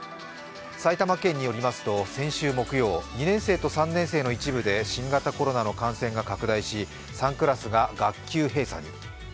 埼玉県によりますと先週木曜、２年生と３年生の一部で新型コロナの感染が拡大し３クラスが学級閉鎖に。